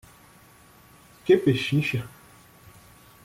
Que pechincha!